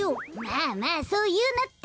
まあまあそういうなって。